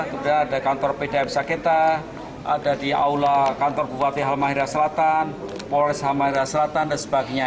kemudian ada kantor pdm saketa ada di aula kantor bupati halmahera selatan polres halmahera selatan dan sebagainya